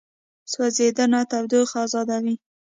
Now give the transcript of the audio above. سوځېدنه تودوخه ازادوي.